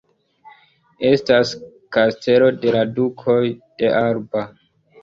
Estas Kastelo de la Dukoj de Alba.